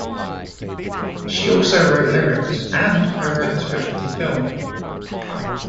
She also wrote lyrics and co-wrote the script for the film.